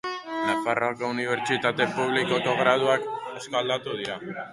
Nafarroako Unibertsitate Publikoko graduak asko aldatu dira.